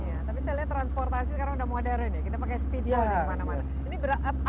iya tapi saya lihat transportasi sekarang sudah modern ya kita pakai speedball di mana mana